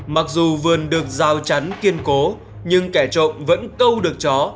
mặc dù vườn được giao chắn kiên cố nhưng kẻ trộm vẫn câu được chó